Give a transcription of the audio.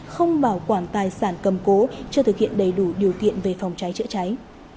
không bảo quản tài sản cầm cố chưa thực hiện đầy đủ điều kiện về phòng cháy chữa cháy